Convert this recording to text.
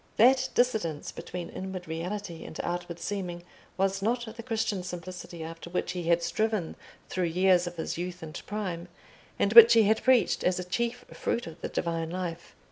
That dissidence between inward reality and outward seeming was not the Christian simplicity after which he had striven through years of his youth and prime, and which he had preached as a chief fruit of the Divine life.